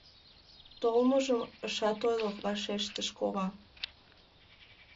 — Толмыжым ышат ойло, — вашештыш кова.